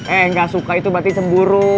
eh nggak suka itu berarti cemburu